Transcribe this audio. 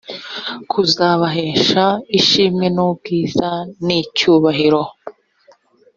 kuzabahesha ishimwe n ubwiza n icyubahiro